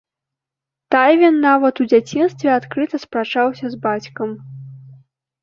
Тайвін нават у дзяцінстве адкрыта спрачаўся з бацькам.